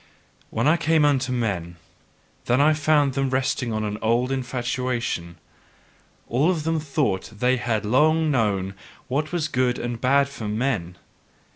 When I came unto men, then found I them resting on an old infatuation: all of them thought they had long known what was good and bad for men.